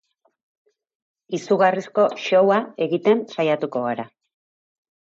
Izugarrizko show-a egiten saiatuko gara.